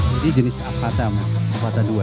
jadi jenis apata mas apata dua